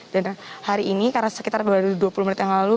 dan hari ini karena sekitar dua puluh menit yang lalu